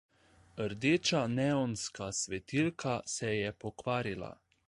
Rdeča neonska svetilka se je pokvarila.